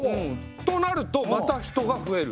となるとまた人が増える。